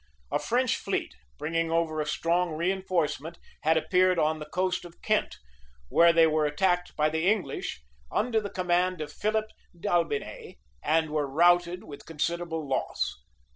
A French fleet, bringing over a strong, reënforcement, had appeared on the coast of Kent; where they were attacked by the English under the command of Philip d'Albiney, and were routed with considerable loss.